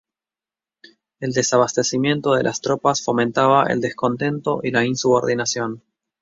El desabastecimiento de las tropas fomentaba el descontento y la insubordinación.